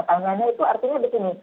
timeline nya itu artinya begini